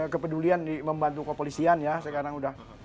kepedulian membantu kepolisian ya sekarang udah